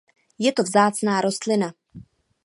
Je to vzácná rostlina.